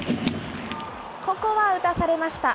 ここは打たされました。